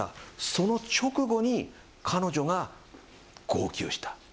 その直後に彼女が号泣した。